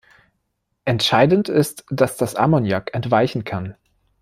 Entscheidend ist, dass das Ammoniak entweichen kann.